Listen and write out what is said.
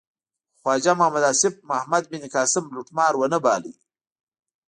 خو خواجه محمد آصف محمد بن قاسم لوټمار و نه باله.